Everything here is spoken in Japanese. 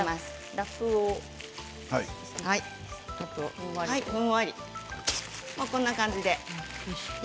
ラップをふんわりこんな感じで。